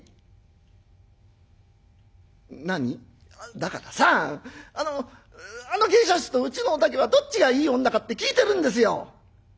「だからさあのあの芸者衆とうちのお竹はどっちがいい女かって聞いてるんですよ」。